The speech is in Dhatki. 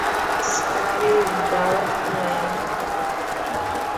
سواري داوت ۾هي.